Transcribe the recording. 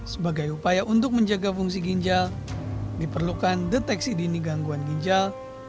sebagai upaya untuk menjaga fungsi ginjal diperlukan deteksi dini gangguan ginjal